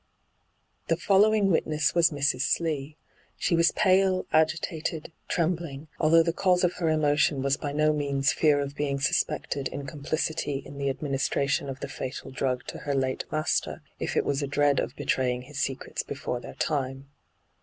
The following witness was Mrs. Slee. She was pale, agitated, trembling, although the cause of her emotion was by no means fear 5 nyt,, 6^hyG00glc 66 ENTRAPPED of being Buepeoted of complicity in the ad ministration of the &tal drug to her late master, if it was a dread of betraying his secrets before their time.